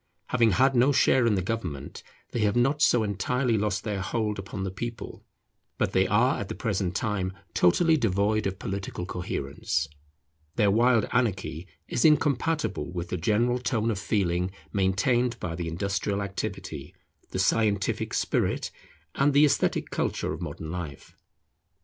Having had no share in the government, they have not so entirely lost their hold upon the people; but they are at the present time totally devoid of political coherence. Their wild anarchy is incompatible with the general tone of feeling maintained by the industrial activity, the scientific spirit, and the esthetic culture of modern life.